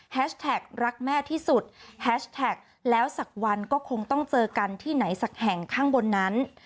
แท็กรักแม่ที่สุดแฮชแท็กแล้วสักวันก็คงต้องเจอกันที่ไหนสักแห่งข้างบนนั้น